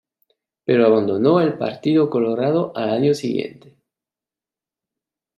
Pero abandonó el Partido Colorado al año siguiente.